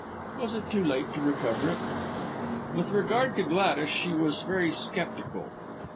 Was it too late to recover it? With regard to Gladys she was very sceptical.